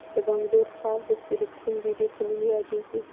د بنګلور ښار د سیلیکون ویلي په نوم یادیږي.